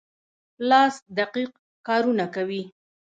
لاس دقیق کارونه کوي.